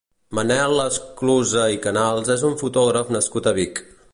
Manel Esclusa i Canals és un fotògraf nascut a Vic.